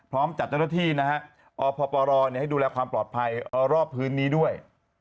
จัดเจ้าหน้าที่นะฮะอพปรให้ดูแลความปลอดภัยรอบพื้นนี้ด้วย